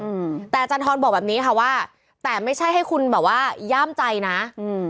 อืมแต่อาจารย์ทรบอกแบบนี้ค่ะว่าแต่ไม่ใช่ให้คุณแบบว่าย่ามใจนะอืม